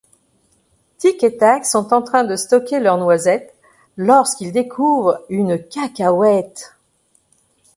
Tic et Tac sont en train de stoker leurs noisettes lorsqu'ils découvrent une cacahuète.